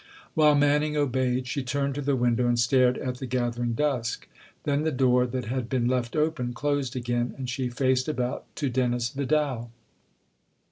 While Manning obeyed she turned to the window and stared at the gather ing dusk. Then the door that had been left open closed again, and she faced about to Dennis Vidal.